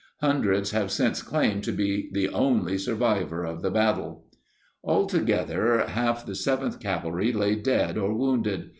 Hundreds have since claimed to be the "only survivor" of the battle. Altogether, half the 7th Cavalry lay dead or wounded.